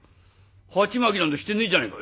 「鉢巻きなんてしてねえじゃねえか」。